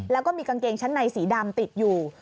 แล้วก็มีกางเกงชั้นในสีดำติดอยู่